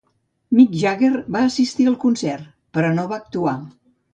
Mick Jagger va assistir al concert, però no va actuar.